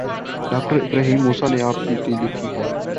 ڈاکٹرابراہیم موسی نے آپ بیتی لکھی ہے۔